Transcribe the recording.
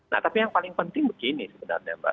nah tapi yang paling penting begini sebenarnya mbak